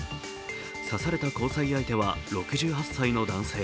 刺された交際相手は６８歳の男性。